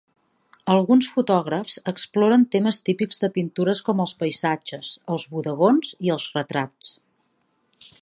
Alguns fotògrafs exploren temes típics de pintures com els paisatges, els bodegons i els retrats.